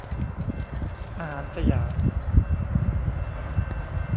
อาหารสยาม